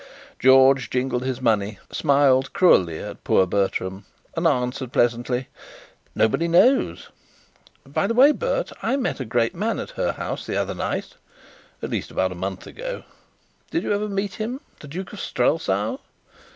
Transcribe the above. George jingled his money, smiled cruelly at poor Bertram, and answered pleasantly: "Nobody knows. By the way, Bert, I met a great man at her house the other night at least, about a month ago. Did you ever meet him the Duke of Strelsau?"